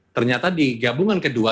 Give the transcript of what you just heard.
ternyata di gabungan kedua